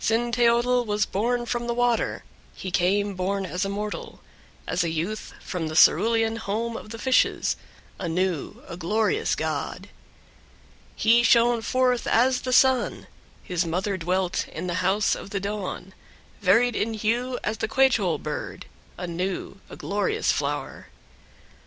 Cinteotl was born from the water; he came born as a mortal, as a youth, from the cerulean home of the fishes, a new, a glorious god. 5. He shone forth as the sun; his mother dwelt in the house of the dawn, varied in hue as the quechol bird, a new, a glorious flower.